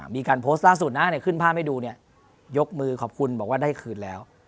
มีการโพสต์ล่าสุดนะขึ้นภาพให้ดูเนี่ยยกมือขอบคุณบอกว่าได้คืนแล้ว